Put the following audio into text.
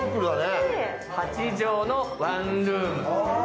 ８畳のワンルーム。